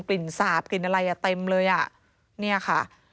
ลิ่นสาบกลิ่นอะไรอ่ะเต็มเลยอ่ะเนี่ยค่ะ